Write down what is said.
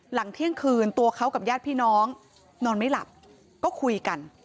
หลังเที่ยงคืนตัวเขากับญาติพี่น้องนอนไม่หลับก็คุยกัน